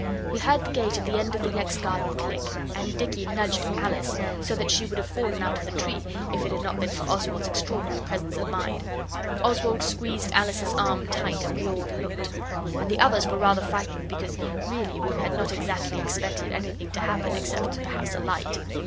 We heard the gate at the end of the next garden click, and Dicky nudged Alice so that she would have fallen out of the tree if it had not been for Oswald's extraordinary presence of mind. Oswald squeezed Alice's arm tight, and we all looked; and the others were rather frightened because really we had not exactly expected anything to happen except perhaps a light.